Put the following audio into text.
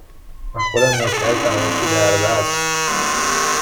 من خودم نوکرتم آبجی دربست